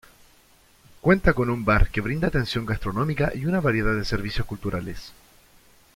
Cuenta con un bar, que brinda atención gastronómica y una variedad de servicios culturales.